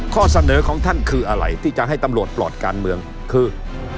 ข้อเสนอของท่านคืออะไรที่จะให้ตำรวจปลอดการเมืองคือ